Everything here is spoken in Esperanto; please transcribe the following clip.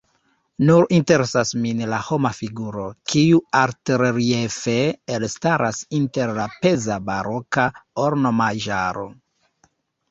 Nur interesas min la homa figuro, kiu altreliefe elstaras inter la peza baroka ornamaĵaro.